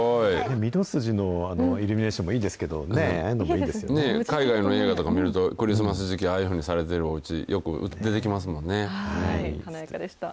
御堂筋のイルミネーションもいいですけどね、ああいうのもい海外の映画とか見ると、クリスマス時期にああいうふうにされているおうちよく出てきますもん華やかでした。